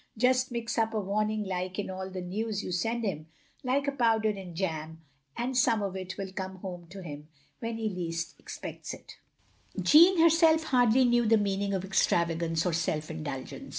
Just mix up a warning like in all the news you send him, like a powder in jam, and some of it will come home to him when he least expects it." 46 THE LONELY LADY Jeanne herself hardly knew the meaning of extravagance or self indtilgence.